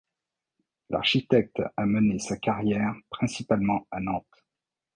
L'architecte a mené sa carrière principalement à Nantes.